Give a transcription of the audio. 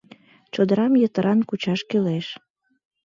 Чодырам йытыран кучаш кӱлеш.